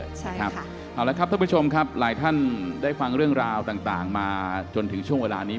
ใช่ครับเอาละครับท่านผู้ชมครับหลายท่านได้ฟังเรื่องราวต่างมาจนถึงช่วงเวลานี้